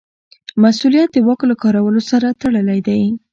مسوولیت د واک له کارولو سره تړلی دی.